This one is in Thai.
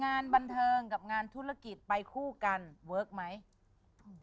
งานบันเทิงกับงานธุรกิจไปคู่กันเวิร์คไหมอืม